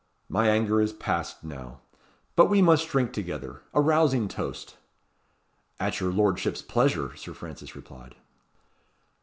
My anger is past now. But we must drink together a rousing toast." "At your lordship's pleasure," Sir Francis replied.